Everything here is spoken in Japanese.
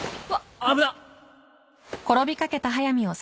危なっ。